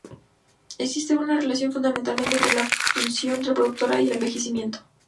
Existe una relación fundamental entre la función reproductora y el envejecimiento.